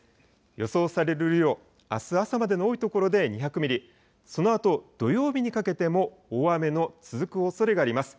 予想される雨量、あす朝までの多い所で２００ミリ、そのあと土曜日にかけても大雨の続くおそれがあります。